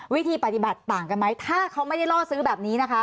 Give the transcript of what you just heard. วิธีปฏิบัติต่างกันไหมถ้าเขาไม่ได้ล่อซื้อแบบนี้นะคะ